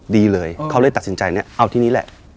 ดีเลยเขาเลยตัดสินใจเนี่ยเอาที่นี้แหละ